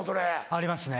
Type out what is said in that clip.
ありますね。